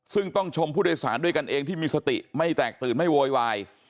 ซึ่งต้องชมผู้โดยสารด้วยกันเองที่มีสติไม่แตกตื่นไม่โวยวาย